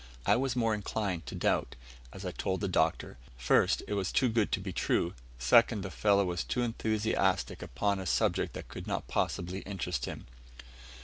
I was more inclined to doubt, as I told the Doctor; first, it was too good to be true; second, the fellow was too enthusiastic upon a subject that could not possibly interest him.